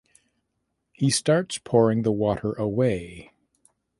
He starts pouring the water away.